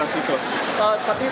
tapi mungkin kita jual